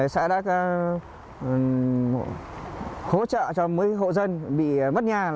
xã đã hỗ trợ cho mấy hộ dân bị mất nhà